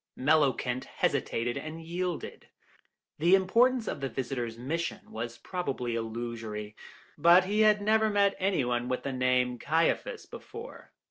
Mellowkent hesitated and yielded; the importance of the visitor's mission was probably illusory, but he had never met any one with the name Caiaphas before.